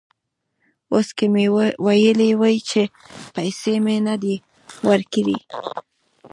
اوس که مې ویلي وای چې پیسې مې نه دي ورکړي.